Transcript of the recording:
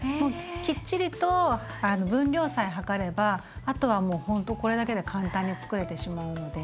きっちりと分量さえ量ればあとはもうほんとこれだけで簡単につくれてしまうので。